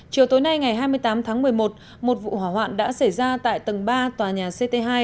chiều tối nay ngày hai mươi tám tháng một mươi một một vụ hỏa hoạn đã xảy ra tại tầng ba tòa nhà ct hai